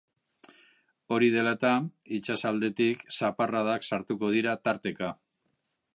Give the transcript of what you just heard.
Hori dela eta, itsasaldetik zaparradak sartuko dira tarteka.